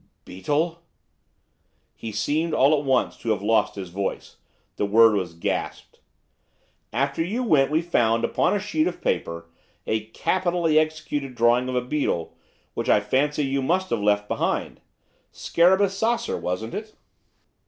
'Beetle!' He seemed, all at once, to have lost his voice, the word was gasped. 'After you went we found, upon a sheet of paper, a capitally executed drawing of a beetle, which, I fancy, you must have left behind you, Scarabaeus sacer, wasn't it?